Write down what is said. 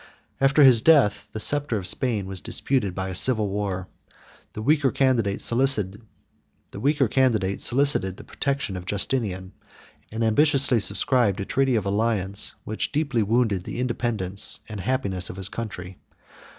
After his death, the sceptre of Spain was disputed by a civil war. The weaker candidate solicited the protection of Justinian, and ambitiously subscribed a treaty of alliance, which deeply wounded the independence and happiness of his country.